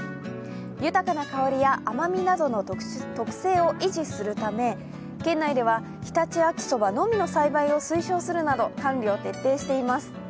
豊かな香りや甘みなどの特性を維持するため県内では、常陸秋そばのみの栽培を推奨するなど管理を徹底しています。